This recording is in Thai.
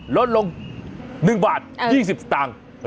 ลดลง๑บาท๒๐สตางค์